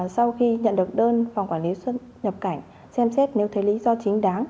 sau khi nhận được đơn phòng quản lý xuất nhập cảnh xem xét nếu thấy lý do chính đáng